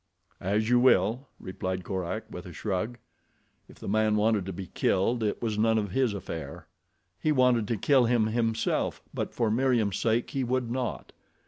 "As you will," replied Korak, with a shrug. If the man wanted to be killed it was none of his affair. He wanted to kill him himself, but for Meriem's sake he would not.